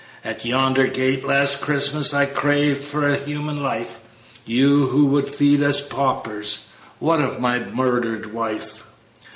At yonder gate, last Christmas, I craved for a human life. You, who would feast us paupers, What of my murdered wife!